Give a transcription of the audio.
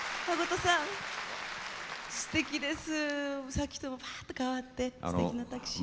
さっきとぱっと変わってすてきなタキシード。